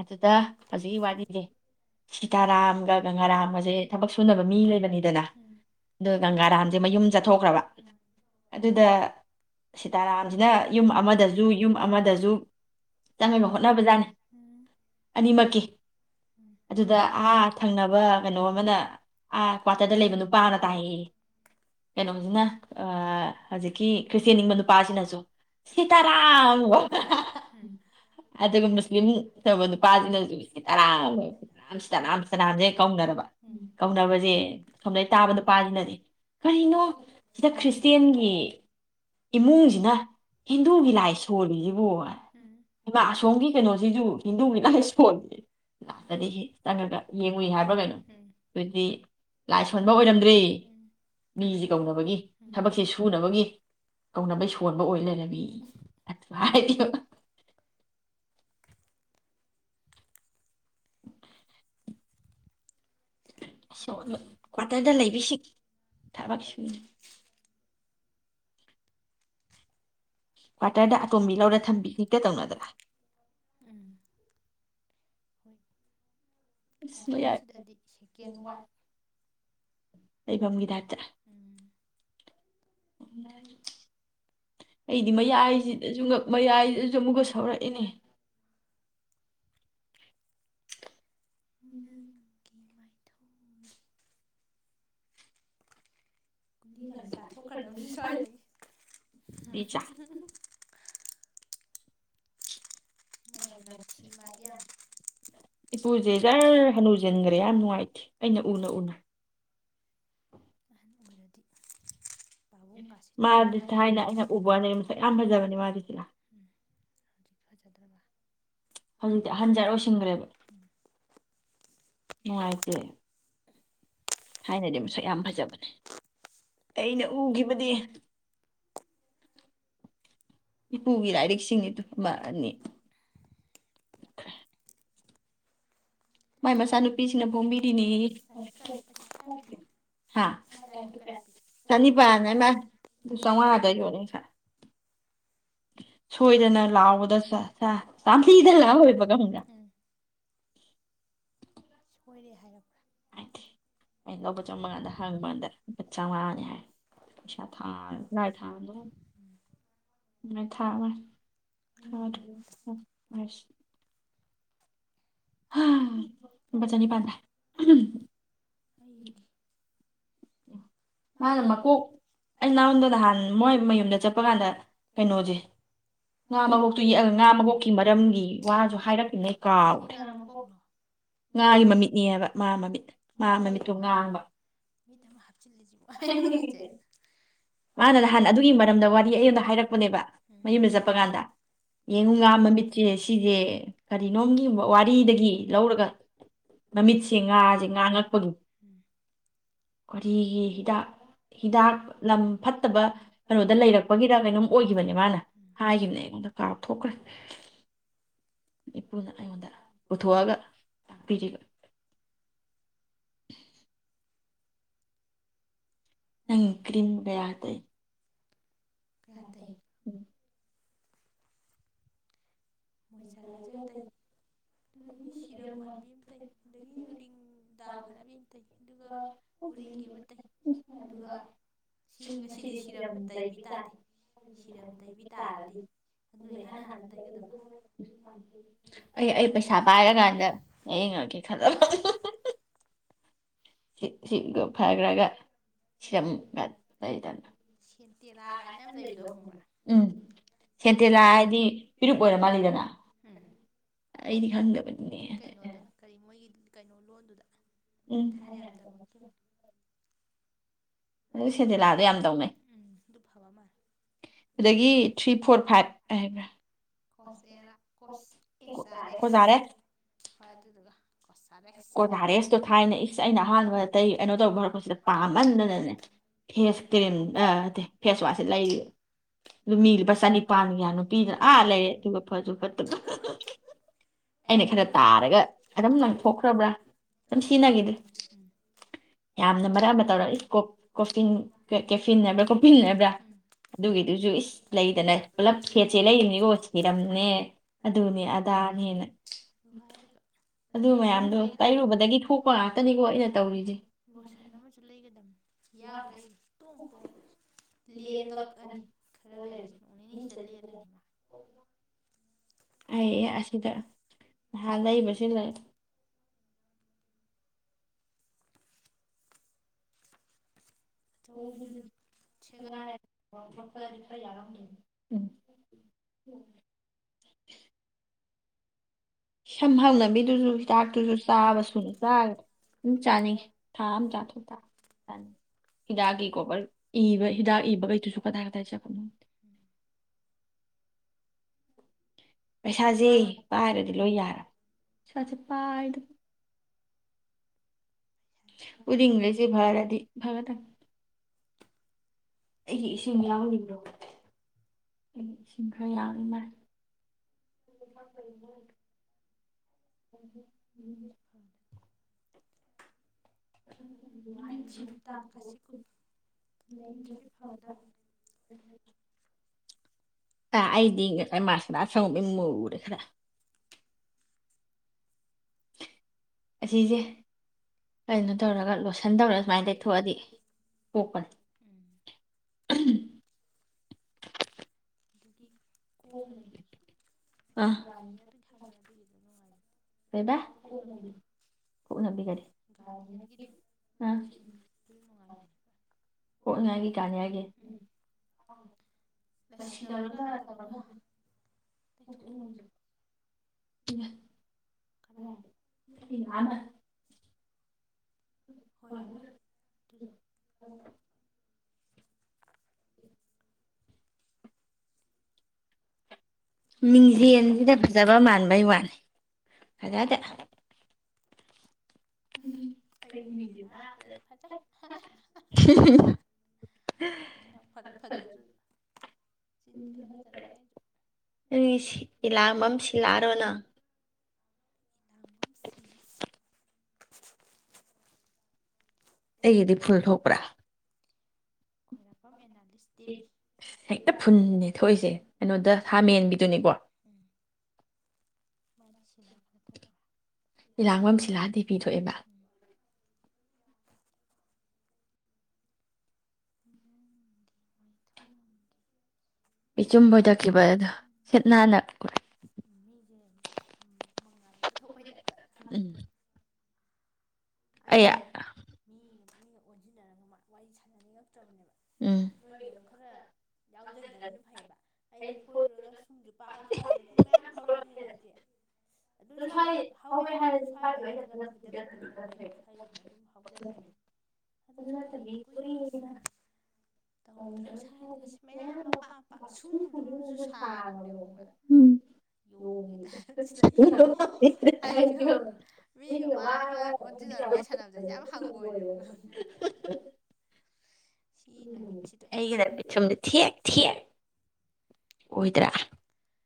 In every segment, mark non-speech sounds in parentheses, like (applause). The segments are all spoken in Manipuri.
ꯑꯗꯨꯗ ꯍꯧꯖꯤꯛꯀꯤ ꯋꯥꯔꯤꯁꯦ ꯁꯤꯇꯥꯔꯥꯝꯒ ꯒꯪꯒꯥꯔꯥꯝ ꯑꯁꯦ ꯊꯕꯛ ꯁꯨꯅꯕ ꯃꯤ ꯂꯩꯔꯝꯃꯤꯗꯅ ꯑꯗꯨ ꯒꯪꯒꯥꯔꯥꯝꯁꯦ ꯃꯌꯨꯝ ꯆꯠꯊꯣꯛꯈ꯭ꯔꯕ ꯑꯗꯨꯗ ꯁꯤꯇꯥꯔꯥꯝꯁꯤꯅ ꯌꯨꯝ ꯑꯃꯗꯁꯨ ꯌꯨꯝ ꯑꯃꯗꯁꯨ (inaudible) ꯍꯣꯠꯅꯕꯖꯥꯠꯅꯤ ꯑꯅꯤꯃꯛꯀꯤ ꯑꯗꯨꯗ ꯑꯥ ꯊꯪꯅꯕ ꯀꯩꯅꯣ ꯑꯃꯗ ꯑꯥ ꯀ꯭ꯋꯥꯇꯔꯗ ꯂꯩꯕ ꯅꯨꯄꯥꯅ ꯇꯥꯏ ꯀꯩꯅꯣꯗꯨꯅ ꯑ ꯍꯖꯤꯛꯀꯤ ꯈ꯭ꯔꯤꯁꯇꯦꯟꯅꯤꯡꯕ ꯅꯨꯄꯥꯁꯤꯅꯁꯨ ꯁꯤ ꯇꯔꯥꯝꯨꯛ ꯑꯨꯗꯨꯒꯨꯝꯕꯁ ꯠꯇꯕ ꯅꯨꯄꯥꯁꯤꯅꯁꯨ ꯇꯔꯥꯝꯦ ꯌꯥꯝ ꯇꯔꯥꯝ ꯇꯅꯥꯝ ꯀꯧꯅꯔꯕ ꯀꯧꯅꯕꯁꯦ ꯁꯣꯝꯗꯩ ꯇꯥꯕ ꯅꯨꯄꯥꯁꯤꯅꯅꯦ ꯀꯔꯤꯅꯣ ꯆꯠꯈ꯭ꯔꯤꯁꯌꯦꯟꯒꯨꯅꯦ ꯏꯃꯨꯡꯁꯤꯅ ꯍꯤꯟꯗꯨꯒꯤ ꯂꯥꯏ ꯁꯣꯜꯂꯤꯖꯤꯕꯨ ꯏꯃ ꯑꯁꯣꯝꯒꯤ ꯀꯩꯅꯣ ꯍꯤꯟꯗꯨꯅꯤ ꯂꯥꯏ ꯁꯣꯟꯗꯦ ꯂꯥꯛꯇꯗꯤ ꯆꯪꯉꯒ ꯌꯦꯡꯉꯨꯏ ꯍꯥꯏꯕ꯭ꯔꯥ ꯀꯩꯅꯣ ꯍꯧꯗꯤ ꯂꯥꯏ ꯁꯣꯟꯕ ꯑꯣꯏꯔꯝꯗ꯭ꯔꯦ ꯃꯤꯖꯤ ꯀꯧꯅꯕꯒꯤ ꯊꯕꯛꯁ ꯁꯨꯅꯕꯒꯤ ꯀꯧꯅꯕꯩ ꯁꯣꯟꯕ ꯑꯣꯏ ꯂꯩꯔꯝꯃꯤ ꯍꯥꯏ ꯍꯥꯏꯗꯕ ꯁꯣꯛꯌꯦ ꯀꯋꯥꯇꯥꯔꯗ ꯂꯩꯕꯤꯁꯤ (unintelligible) ꯀ꯭ꯋꯥꯇꯔꯗ ꯑꯇꯣꯝꯕꯤ ꯂꯧꯔ ꯊꯝꯕꯤ ꯒꯤꯒ ꯇꯧꯅꯗꯅ (inaudible) ꯂꯣꯢ ꯌꯥꯔꯦ ꯔꯤꯡ ꯋꯥꯟ ꯂꯩꯐꯝꯒꯤꯇꯥꯏꯞꯇ ꯅꯔꯤ ꯑꯩꯗꯤ ꯃꯌꯥꯏꯁꯤꯗ ꯃꯌꯥꯏꯁꯤꯗꯁꯨ ꯑꯃꯨꯛꯒ ꯁꯥꯎꯔꯛꯏꯅꯦ ꯎꯝ (unintelligible) ꯀꯨꯗꯤ ꯀꯁꯤ ꯆꯥꯊꯣꯛꯀ꯭ꯔꯗꯕꯅꯤ ꯁ꯭ꯋꯥꯏꯗꯒꯤ ꯏꯄꯨꯁꯦ ꯁꯥꯖꯔ ꯍꯅꯨꯖꯤꯟꯈꯔꯦ ꯌꯥꯝ ꯅꯨꯡꯉꯥꯏꯇꯦ ꯑꯩꯅ ꯎꯅ ꯎꯅ ꯥꯕꯨꯡꯒꯁꯤꯅ ꯑꯍꯟ ꯑꯣꯢꯔꯤꯁꯤꯅ (unintelligible) ꯑꯨꯝ ꯐꯖꯗ꯭ꯔꯕ ꯍꯧꯖꯤꯛꯇꯤ ꯑꯍꯟꯖꯔ ꯑꯣꯏꯣꯏꯁꯤꯟꯈ꯭ꯔꯦꯕ ꯍꯥꯏꯥꯏꯇꯦ ꯊꯥꯏꯅꯗꯤ ꯃꯁꯛ ꯌꯥꯝ ꯐꯖꯕꯅꯦ ꯑꯩꯅ ꯎꯈꯤꯕꯗꯤ ꯏꯄꯨꯒꯤ ꯂꯥꯏꯔꯤꯛꯁꯤꯡꯅꯤ ꯇꯨ ꯑꯃ ꯑꯅꯤ ꯎ (inaudible) ꯃꯥꯏ ꯃꯆꯥꯅꯨꯄꯤꯁꯤꯅ ꯕꯣꯝꯕꯤ ꯀꯤ ꯅꯦ ꯄꯨꯛ ꯄꯨꯛ ꯍꯥ ꯆꯅꯤꯄꯥꯗꯩꯅ ꯆꯥꯃꯉꯥꯗ ꯌꯣꯅꯤ ꯍ ꯁꯣꯏꯗꯅ ꯂꯥꯎꯕꯗ ꯆ ꯆꯥ ꯇꯝꯊꯤꯗꯅ ꯂꯥꯎꯍꯣꯏꯕꯒ ꯍꯨꯗ ꯑꯣꯏꯔꯦ ꯍꯥꯏꯔꯕ꯭ꯔꯣ ꯍꯥꯏꯗꯤ ꯑꯩꯅ ꯂꯧꯕ ꯆꯪ ꯕꯉꯥꯟꯗ ꯍꯡꯕꯥꯟꯗ ꯆꯥꯝꯉꯥꯅꯤ ꯍꯥꯏ (unintelligible) (unintelligible) ꯊꯥꯒꯦ ꯑꯁ ꯍꯥ ꯂꯨꯄꯥ ꯆꯅꯤꯄꯥꯟ ꯊꯥꯏ ꯃꯥꯅ ꯃꯀꯣꯛ ꯑꯩ ꯅꯉꯣꯟꯗ ꯅꯍꯥꯟ ꯃꯣꯏ ꯃꯌꯨꯝꯗ ꯆꯠꯄ ꯀꯥꯟꯗ ꯀꯩꯅꯣꯁꯦ ꯉꯥ ꯃꯀꯣꯛꯇꯨ ꯌꯦꯛꯑꯒ ꯉꯥ ꯃꯀꯣꯛꯀꯤ ꯃꯔꯝꯒꯤ ꯋꯥꯁꯨ ꯍꯥꯏꯔꯛꯃꯤꯅꯦ ꯀꯥꯎꯔꯦ ꯉꯥꯒꯤ ꯃꯃꯤꯠꯅꯦꯕ ꯉꯥ ꯃꯃꯤꯠ ꯉꯥ ꯃꯃꯤꯠꯇꯣ ꯉꯥꯡꯕ ꯃꯤꯠꯇ ꯑꯃ ꯍꯥꯞꯆꯤꯜꯂꯦ ꯃꯥꯅ ꯅꯍꯥꯟ ꯑꯗꯨꯒꯤ ꯃꯔꯝꯗ ꯋꯥꯔꯤ ꯑꯩꯉꯣꯟꯗ ꯍꯥꯏꯔꯛꯄꯅꯦꯕ ꯃꯌꯨꯝꯗ ꯆꯠꯄ ꯀꯥꯟꯗ ꯌꯦꯡꯉꯨ ꯉꯥ ꯃꯃꯤꯠꯁꯦ ꯁꯤꯁꯦ ꯀꯔꯤꯅꯣꯝꯒꯤ ꯋꯥꯔꯤꯗꯒꯤ ꯂꯧꯔꯒ ꯃꯃꯤꯠꯁꯦ ꯉꯥꯁꯦ ꯉꯥ ꯉꯛꯄꯒꯨꯝ ꯋꯥꯔꯤ ꯍꯤꯗꯥꯛ ꯂꯝ ꯐꯠꯇꯕ ꯀꯩꯅꯣꯗ ꯂꯩꯔꯛꯄꯒꯤꯔꯥ ꯀꯩꯅꯣꯝ ꯑꯣꯏꯈꯤꯕꯅꯦ ꯃꯥꯅ ꯍꯥꯏꯈꯤꯕꯅꯦ ꯑꯩꯉꯣꯟꯗ ꯀꯥꯥꯎꯊꯣꯛꯈ꯭ꯔꯦ ꯏꯄꯨꯗꯨꯅ ꯑꯩꯑꯣꯟꯗ ꯥꯥꯄꯨꯊꯣꯑꯒ ꯄꯤꯔꯤꯕ (unintelligible) ꯅꯪ ꯀ꯭ꯔꯤꯝ ꯀꯌꯥ ꯇꯩ ꯀꯌꯥ ꯇꯩ ꯃꯣꯏꯆꯔꯥꯏꯖꯔ ꯇꯩ ꯑꯗꯨꯗꯒꯤ ꯁꯤꯔꯝ ꯃꯥꯟꯕꯤ ꯑꯃ ꯇꯩ ꯑꯗꯨꯗꯒꯤ ꯎꯔꯤꯡ ꯗꯥꯛ ꯐꯅꯕꯤ ꯑꯃ ꯇꯩ ꯑꯗꯨꯒ ꯎꯔꯤꯡꯒꯤ ꯑꯃ ꯇꯩ ꯑꯗꯨꯒ ꯁꯤ ꯉꯁꯤꯗꯤ ꯁꯤꯔꯝ ꯇꯩꯕꯤ ꯇꯥꯗꯦ ꯁꯤꯔꯝ ꯇꯩꯕꯤ ꯇꯥꯔꯗꯤ ꯑꯗꯨꯅ ꯏꯍꯥꯟ ꯍꯥꯟꯅ ꯇꯩꯒꯗꯕ ꯑꯩ ꯑꯩ ꯄꯩꯁꯥ ꯄꯥꯏꯔꯀꯥꯟꯗ ꯂꯌꯦꯡꯉꯒꯦ ꯈꯜꯂꯕ (unintelligible) ꯁꯤ ꯐꯈ꯭ꯔꯒ ꯁꯤꯔꯝꯒ ꯇꯩꯗꯅ ꯎꯝ ꯁꯦꯟꯇꯦꯂꯥ ꯍꯥꯏꯗꯤ ꯄꯤꯔꯨꯛ ꯑꯣꯏꯔ ꯃꯥꯜꯂꯦꯗꯅ ꯑꯩꯗꯤ ꯈꯪꯗꯕꯅꯤꯅꯦ ꯀꯩꯅꯣ ꯂꯣꯟꯗꯨꯗ ꯎꯝ ꯑꯗꯨ ꯁꯦꯟꯇꯦꯂꯥꯗꯣ ꯌꯥꯝ ꯇꯧꯅꯩ ꯎꯝ ꯑꯗꯨ ꯐꯕ ꯃꯥꯜꯂꯦ ꯑꯗꯒꯤ ꯊ꯭ꯔꯤ ꯐꯣꯔ ꯐꯥꯏꯞ ꯍꯥꯏ ꯀꯣꯁꯦꯔꯥ cos square x sin square x ꯐꯥꯏ ꯑꯗꯨꯗꯨꯒ ꯀꯣꯁꯥꯔꯦꯛꯁ ꯍꯥꯏꯕ ꯀꯣꯁꯥꯔꯦꯛꯁꯇꯣ ꯊꯥꯏꯅ ꯢꯁ ꯑꯩꯅ ꯑꯍꯥꯟꯕ ꯂꯩ ꯀꯩꯅꯣ ꯇꯧ ꯍꯧꯔꯛꯄ ꯃꯇꯝꯗ ꯄꯥꯝꯃꯟꯗꯅꯅ ꯐꯦꯁ ꯀ꯭ꯔꯤꯝ ꯑ ꯅꯠꯇꯦ ꯐꯦꯁ ꯋꯥꯁꯁꯦ ꯂꯩꯔꯦ ꯑꯗꯨ ꯃꯤ ꯂꯨꯄꯥ ꯆꯅꯤꯄꯥꯟ ꯀꯌꯥꯅꯣ ꯄꯤꯗꯅ ꯑꯥ ꯂꯩꯔꯦ ꯑꯗꯨꯒ ꯐꯁꯨ ꯐꯠꯇꯕ ꯑꯍꯥꯍꯥ ꯍꯥ ꯑꯩꯅ ꯈꯔ ꯇꯥꯔꯒ ꯑꯗꯨꯝ ꯈ꯭ꯔꯕ꯭ꯔꯥ ꯑꯗꯨꯝ ꯁꯤꯖꯤꯟꯅꯒꯦꯗꯤ ꯌꯥꯝꯅ ꯃꯔꯛ ꯑꯃ ꯇꯧꯔꯛꯏ ꯀꯣ ꯀꯣꯁꯇꯤꯟ ꯀꯦꯐꯤꯟ ꯍꯥꯏꯕ꯭ꯔꯥ ꯀꯣꯐꯤꯟ ꯍꯥꯏꯕ꯭ꯔꯥ ꯑꯗꯨꯒꯤꯗꯨꯁꯨ ꯏꯁ ꯂꯩꯗꯅ ꯄꯨꯂꯞ ꯁꯦꯠꯁꯦ ꯂꯩꯔꯤꯅꯤꯀꯣ ꯁꯤꯔꯝꯅꯦ ꯑꯗꯨꯅꯦ ꯑꯗꯥꯅꯦ ꯅ ꯑꯗꯨ ꯃꯌꯥꯝꯗꯣ ꯇꯩꯔꯨꯕꯗꯒꯤ ꯊꯣꯛꯄ ꯉꯥꯛꯇꯅꯤꯀꯣ ꯑꯩꯅ ꯇꯧꯔꯤꯁꯦ ꯌꯥꯎꯗ꯭ꯔꯦ ꯇꯣꯛ ꯇꯣꯡ (unintelligible) ꯑꯩꯌꯦ ꯑꯁꯤꯗ ꯅꯍꯥꯟ ꯂꯩꯕꯁꯤꯡ ꯂꯩ (unintelligible) (unintelligible) ꯁꯚꯥꯞꯅꯕꯤꯗꯨ ꯆꯥꯛꯇꯨꯁꯨ ꯆꯥꯕ ꯁꯨꯅ ꯆꯥꯡ ꯑꯗꯨꯝ ꯆꯥꯅꯤ ꯊꯥ ꯑꯃ ꯆꯥꯊꯥ ꯍꯤꯗꯥꯀꯤꯒꯣꯕꯔ ꯏꯕ ꯍꯤꯗꯥꯛ ꯏꯕꯈꯩꯗꯨꯁꯨ ꯀꯗꯥꯏ ꯀꯗꯥꯏ ꯆꯠꯈ ꯄꯩꯁꯥꯁꯦ ꯄꯥꯏꯔꯗꯤ ꯂꯣꯏ ꯌꯥꯔ ꯄꯩꯁꯥꯁꯦ ꯄꯥꯏꯗ ꯎꯔꯤꯡꯒꯩꯁꯦ ꯐꯔꯗꯤ ꯐꯒꯗꯧꯅꯤ ꯑꯩꯒꯤ ꯏꯁꯤꯡ ꯌꯥꯎꯔꯤꯕ꯭ꯔꯣ ꯎꯝ ꯂꯤꯁꯤꯡ ꯈꯔ ꯌꯥꯝꯅ (unintelligible) ꯃꯤꯠꯁꯤꯗꯨ ꯗꯥꯛꯀꯁꯤ ꯂꯩꯇ꯭ꯔꯗꯤ ꯐꯒꯗꯅꯤ ꯇ ꯑꯩꯗꯤꯉ ꯃꯥꯁꯀꯔꯥ ꯁꯪꯉꯨꯕꯩ ꯃꯨꯔꯦ ꯈꯥꯔꯥ ꯑꯁꯤꯁꯦ ꯀꯩꯅꯣ ꯇꯧꯔꯒ ꯂꯣꯠꯁꯟꯊꯧꯔꯒ ꯁꯨꯃꯥꯏꯅ ꯇꯩꯊꯣꯛꯑꯗꯤ ꯀꯣꯛꯄꯅꯦ (inaudible) ꯀꯣꯛꯅꯕꯤꯗꯨꯁꯨ ꯒꯥꯔꯅꯤꯌꯔꯒꯤ ꯍꯥꯏꯕ ꯑꯗꯨꯒꯤ ꯅꯨꯡꯉꯥꯏꯕ ꯀꯣꯛꯅꯕꯤꯗꯣ ꯒꯥꯔꯅꯤꯌꯔꯒꯤꯗꯣ ꯗꯨ ꯅꯨꯡꯉꯥꯏꯕꯅꯦ ꯄꯣꯛꯅꯤꯡꯉꯥꯏꯒꯤ ꯀꯥꯟꯅꯤꯉꯒꯤ (unintelligible) ꯇꯩꯊꯣꯛꯅꯕꯤꯔ (inaudible) (unintelligible) ꯍꯣꯏ (unintelligible) ꯎ (inaudible) ꯃꯤꯡꯖꯦꯜꯁꯤꯗ ꯐꯖꯕ ꯃꯥꯟꯕꯩꯋꯥꯅꯦ ꯐꯖꯗꯦ ꯑꯩ ꯃꯤꯡꯆꯦꯗ ꯑꯔꯥꯞꯄꯗꯗꯤ ꯐꯖꯩ ꯍꯥꯏꯅ ꯐꯖ ꯐꯖꯗ꯭ꯔ ꯆꯤꯟꯗꯤ ꯍꯥꯒꯠꯆꯔꯛꯂꯦ ꯑꯩꯁꯨ (unintelligible) (inaudible) ꯑꯩꯒꯤꯗꯤ ꯐꯨꯜ ꯊꯣꯛꯄ꯭ꯔꯥ (inaudible) ꯍꯦꯛꯇ ꯐꯨꯟꯅꯟꯅꯦ ꯊꯣꯛꯏꯁꯦ ꯀꯩꯅꯣꯗ ꯍꯥꯃꯦꯟꯒꯤꯗꯨꯅꯤꯀꯣ (unintelligible) ꯏꯂꯥꯡꯕꯝ ꯁꯤꯂꯥꯗꯦꯕꯤ ꯊꯣꯛꯑꯦꯕ (unintelligible) (inaudible) ꯑꯌꯥ (inaudible) (inaudible) (inaudible) (unintelligible) (inaudible) (unintelligible) ꯃꯤꯒ ꯃꯥꯏ ꯋꯥꯏ ꯑꯗꯨꯅꯔ ꯋꯥꯔꯤ ꯁꯥꯟꯅꯕꯖꯩ ꯌꯥꯝ ꯍꯪꯒꯣꯏꯔꯦꯕ ꯁꯤ ꯅꯨꯃꯤꯠꯁꯤꯗ (unintelligible) ꯑꯣꯏꯗ꯭ꯔꯥ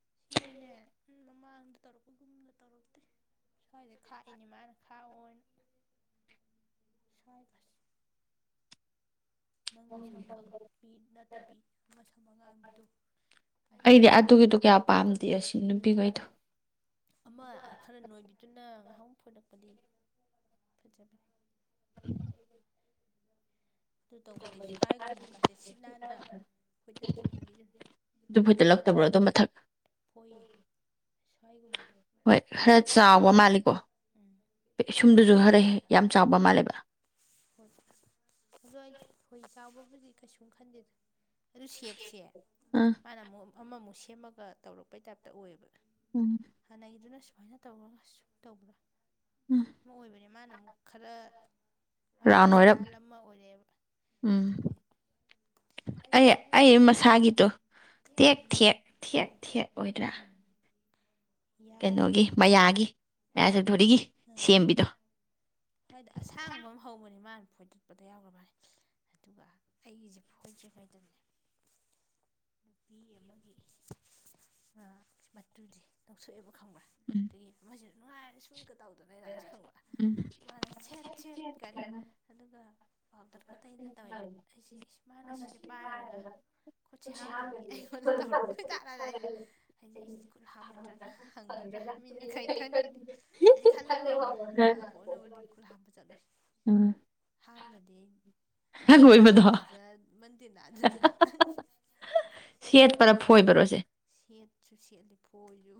(inaudible) ꯅꯪꯒꯤ ꯁꯝ ꯀꯛꯂꯛꯄꯤ ꯅꯠꯇꯕꯤ ꯑꯃ ꯁꯝ ꯑꯉꯥꯡꯕꯤꯗꯣ ꯑꯗꯨꯗꯨꯅ ꯑꯗꯨꯗꯨꯅ ꯑꯃ ꯈꯔ ꯅꯣꯏꯕꯤꯗꯨꯅ (unintelligible) (unintelligible) ꯑꯗꯨ ꯇꯧꯕꯗꯤ ꯁꯆꯥꯏꯒꯨꯝꯕ ꯀꯥꯁꯦ ꯁꯤꯠ ꯅꯥꯟꯅ ꯐꯣꯏꯗꯠꯈꯤꯕꯒꯤꯗꯨꯅꯤ ꯅꯥꯟꯅ ꯄꯣꯏ (unintelligible) ꯍꯣꯏ ꯈꯔ ꯆꯥꯎꯕ ꯃꯜꯂꯦꯀꯣ ꯁꯨꯝꯗꯨꯁꯨ ꯈꯔ ꯍꯦ ꯌꯥꯝ ꯆꯥꯎꯕ ꯃꯥꯜꯂꯦꯕ ꯑꯗꯣ ꯑꯩ ꯊꯣꯏ ꯆꯥꯎꯕꯕꯨꯗꯤ ꯀꯩꯁꯨꯝ ꯈꯟꯗꯦꯗ ꯑꯗꯨ ꯁꯦꯞꯁꯦ ꯃꯥꯅ ꯑꯃꯨꯛ ꯑꯃꯃꯨꯛ ꯁꯦꯝꯃꯒ ꯇꯧꯔꯛꯄꯩ ꯇꯥꯏꯞꯇ ꯑꯣꯏꯌꯦꯕ ꯍꯥꯟꯅꯒꯤꯗꯨꯅꯁꯨ ꯁꯨꯃꯥꯏꯅ ꯇꯧꯔꯒ ꯁꯨꯝ ꯇꯧꯕꯔꯥ (unintelligible) ꯃꯥꯅ ꯃꯨꯛ ꯈꯔ ꯍꯥꯏ ꯏꯁꯇꯥꯜꯏ ꯑꯃꯥ ꯑꯣ ꯎꯝ ꯑꯩ ꯑꯩ ꯃꯁꯥꯥꯒꯤ ꯗꯨ ꯇꯦꯛ ꯊꯦꯛ ꯊꯦꯠ ꯊꯦꯠ ꯑꯣꯏꯗꯔꯥ ꯀꯩꯅꯣꯒꯤ ꯃꯌꯥꯒꯤ ꯃꯌꯥꯆꯧꯗꯣꯔꯤꯒꯤ ꯁꯦꯝꯕꯤꯗꯣ ꯥ ꯃꯥꯢꯗꯣ ꯑꯁꯥ꯭ꯡꯕ ꯑꯃꯥ ꯍꯧꯕꯅꯦ ꯃꯥꯅꯥ ꯐꯣꯏꯗꯠꯄꯗ ꯌꯥꯎꯈ꯭ꯔꯕꯅꯦ ꯑꯗꯨꯒ ꯑꯩꯒꯤꯁꯦ ꯐꯣꯏꯗ꯭ꯔꯤꯉꯩꯗꯅꯦ ꯅꯨꯄꯤ ꯑꯃꯒꯤ ꯃꯇꯨꯖꯦ ꯂꯧꯊꯣꯛꯑꯦꯕ꯫ ꯈꯪꯕ꯭ꯔꯥ ꯑꯗꯨꯒꯤ ꯃꯣꯢꯁꯦ ꯅꯨꯡꯉꯥꯏ ꯀ ꯇꯧꯗꯕꯩꯔ ꯑꯁꯪꯕꯔꯥ ꯃꯥꯅ ꯁꯦꯠ ꯁꯦꯠ ꯀꯥꯏꯅ ꯑꯗꯨꯒ ꯄꯥꯎꯗ꯭ꯔꯒ ꯇꯩꯅ ꯇꯧꯋꯦꯕ ꯑꯩꯁꯦ ꯏꯁ ꯃꯥꯅ ꯁꯤꯁꯦ ꯄꯥꯏꯔꯒ ꯈꯨꯠꯁꯦ ꯍꯥꯝꯗꯕꯤ ꯑꯩꯉꯣꯟꯗ ꯇꯧꯔꯑꯣꯏꯇꯥꯥꯔꯅ ꯑꯩꯁꯦ ꯍꯥꯏꯗꯤ ꯈꯨꯠ ꯍꯥꯝꯃꯣꯏꯗ꯭ꯔꯅ ꯍꯪꯒꯗ꯭ꯔꯥ ꯃꯤꯅ ꯀꯔꯤ ꯈꯟꯈꯤꯅꯤ ꯑꯩꯁꯦ ꯈꯟꯂꯦꯕ ꯈꯪꯕ꯭ꯔꯥ ꯑꯗꯨꯒ ꯈꯣꯟꯅꯕꯨ ꯑꯩ ꯈꯨꯨꯠ ꯍꯥꯝꯕ ꯆꯠꯂꯨꯢ ꯍꯥꯝꯗ꯭ꯔꯗꯤ ꯑꯩ ꯅꯪ ꯑꯣꯏꯕꯗꯣ (unintelligible) ꯁꯦꯠꯄꯥꯔ ꯐꯣꯏꯕꯔꯣꯁꯦ ꯁꯦꯠꯂꯨ ꯑꯣꯢꯌꯨ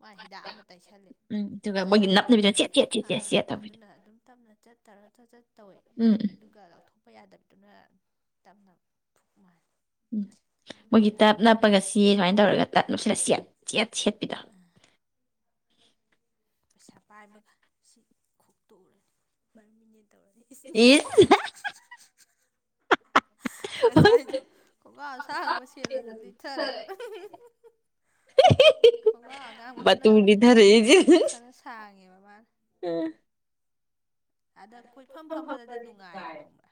ꯃꯥꯢ ꯍꯤꯗꯥꯛ ꯑꯃ ꯇꯩꯁꯜꯂꯦ ꯆꯟꯗꯣꯟ ꯃꯥꯟꯕꯤ ꯑ ꯑꯗꯨꯅ ꯑꯗꯨꯝ ꯇꯞꯅꯥ ꯆꯠ ꯇꯔ ꯆꯠ ꯆꯠ ꯇꯧꯋꯦ ꯑꯗꯨꯒ ꯂꯧꯊꯣꯛ ꯊꯣꯛꯄ ꯌꯥꯗꯕꯗꯨꯅ ꯇꯞꯅ ꯐꯨꯃꯥꯜ ꯎꯝ ꯃꯣꯏꯒꯤ ꯇꯞ ꯅꯞꯄꯒ ꯆꯦ ꯁꯨꯃꯥꯏꯅ ꯇꯧꯔꯥꯒ ꯇꯞ ꯅꯞꯁꯤꯜꯂꯒꯥ ꯆꯦꯠ ꯆꯦꯠ ꯁꯦꯠꯄꯤꯗꯣ ꯄꯩꯁꯥ ꯄꯥꯏꯕꯒ ꯁꯤ ꯈꯣꯛꯇꯣꯛꯎꯔꯅꯤ ꯄꯔꯃꯤꯅꯦꯟ ꯏ ꯍꯥ ꯍꯥ ꯉꯁꯥꯏꯁꯨ ꯈꯣꯡꯒ꯭ꯔꯥꯎ ꯑꯁꯥꯡꯕ ꯁꯦꯜꯂꯖꯨ ꯂꯤꯠꯊꯥꯔꯛꯏꯕ ꯈꯣꯡꯒ꯭ꯔꯥꯎ ꯑꯉꯥꯡꯕꯗꯨꯅ ꯈꯔ ꯁꯥꯡꯉꯦꯕ ꯃꯥꯅ ꯑꯗ ꯈꯣꯢꯐꯝ ꯐꯝꯕꯗꯗꯤ ꯅꯨꯡꯉꯥꯏꯌꯦꯕ ꯈꯪꯕ꯭ꯔꯥ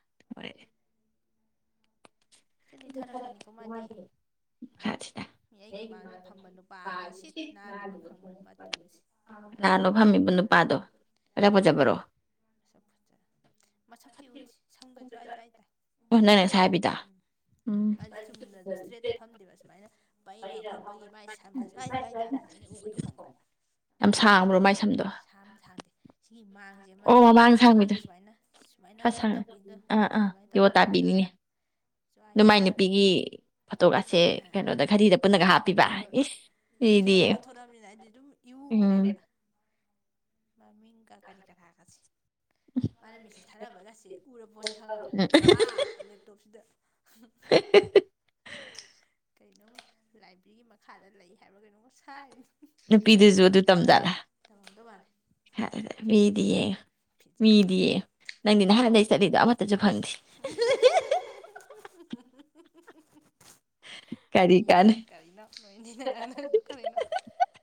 (unintelligible) ꯀꯥꯅꯥꯅꯣ ꯐꯝꯃꯤꯕꯣ ꯅꯨꯄꯥꯗꯣ ꯃꯁꯛ ꯐꯥꯖꯕꯥꯔꯣ ꯆꯝꯐꯨꯠ ꯆꯥꯢ ꯃꯁꯛꯇꯤ ꯎꯗꯦ ꯁꯝꯒ ꯖꯋꯥ꯭ꯏ ꯖꯋꯥ꯭ꯏ ꯇꯥꯢ ꯃꯥꯖꯦ ꯆꯨꯝꯅ ꯏꯁꯇ꯭ꯔꯦꯠꯇ ꯐꯝꯗꯦꯕ ꯁꯨꯃꯥꯏꯅ ꯄꯩꯔꯥꯒ ꯐꯝꯕꯒꯤ ꯃꯥꯒꯤ ꯁꯝꯗꯣ ꯖꯋꯥ꯭ꯏ ꯖꯋꯥꯥ꯭ꯏ ꯇꯥꯕꯤꯖꯦ ꯑꯩꯅ ꯎꯕꯗꯣ ꯈꯣꯡꯕ꯭ꯔ ꯁꯥꯡꯕ꯭ꯔꯦ ꯃꯥꯢ ꯁꯝ ꯁꯥꯡꯗꯦ ꯁꯤꯒꯤ ꯑꯣ ꯃꯅꯥ (unintelligible) ꯑꯁꯪ ꯑꯥ ꯑꯥ ꯌꯣꯠ ꯇꯥꯕꯤꯅꯤꯉꯦ ꯑ ꯍꯣꯏ ꯍꯣꯏ ꯍꯣꯏ ꯁꯨꯃꯥꯏꯅ ꯑꯣꯟꯊꯣꯔꯛꯑꯕꯅꯤꯅ ꯑꯩꯗꯤ ꯏꯎ ꯎꯔꯦꯕ ꯃꯃꯤꯒꯥꯀꯔꯤ ꯀꯔ ꯒꯁꯦ ꯃꯥꯅ ꯃꯤꯁꯦ ꯊꯥꯅꯕꯒꯁꯦ ꯎꯔꯕ ꯄꯣꯠꯅꯤ ꯈꯪꯉꯕ꯭ꯔꯥ ꯑꯥ ꯂꯦꯞꯇꯣꯞꯁꯤꯗ ꯀꯩꯅꯣ ꯂꯥꯏꯕ꯭ꯔꯦꯔꯤꯒꯤ ꯃꯈꯥꯗ ꯂꯩ ꯍꯥꯏꯕ ꯀꯩꯅꯣ ꯁꯥꯏꯁ ꯇꯧꯃꯝꯗꯧ ꯃꯥꯜꯂꯦ ꯐꯤꯖꯤꯛꯁ ꯂꯧꯕ ꯃꯤꯗꯤꯌꯦ ꯅꯪꯗꯤ ꯅꯍꯥꯟꯗꯒꯤꯩ ꯆꯠꯂꯤꯗꯣ ꯑꯃꯠꯇꯁꯨ ꯐꯪꯗꯦ (inaudible)